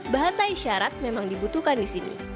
bahasa isyarat memang dibutuhkan di sini